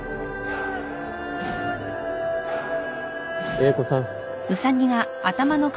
英子さん。